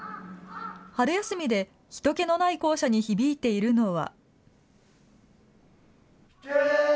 春休みで、人けのない校舎に響いているのは。